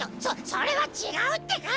そそれはちがうってか！